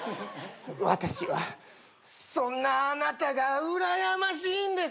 私はそんなあなたがうらやましいんですよ。